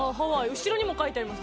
後ろにも書いてあります。